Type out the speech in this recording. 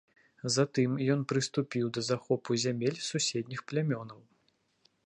Затым ён прыступіў да захопу зямель суседніх плямёнаў.